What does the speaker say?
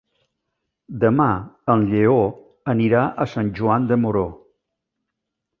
Demà en Lleó anirà a Sant Joan de Moró.